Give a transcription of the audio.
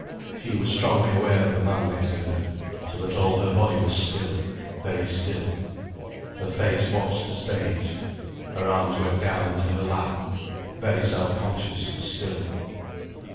She was strongly aware of the man next to her, so that all her body was still, very still. Her face watched the stage. Her arms went down into her lap, very self conscious and still.